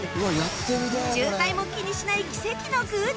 渋滞も気にしない奇跡の空中走行